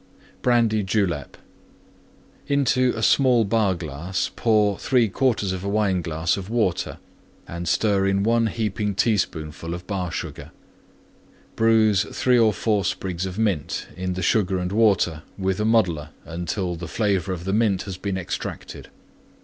BRANDY JULEP Into a small Bar glass pour 3/4 Wineglass of Water and stir in 1 heaping teaspoonful of Bar Sugar. Bruise 3 or 4 sprigs of Mint in the Sugar and Water with a Muddler until the flavor of the Mint has been extracted.